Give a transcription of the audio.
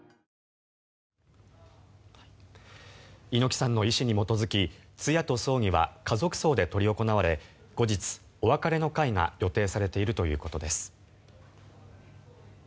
猪木さんの遺志に基づき通夜と葬儀は家族葬で執り行われ後日、お別れの会が予定されているということです。